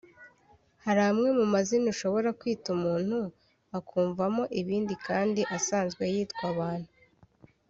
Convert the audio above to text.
Hari amwe mumazina ushobora kwita umuntu akumvamo ibindi kandi asanzwe yitwa abantu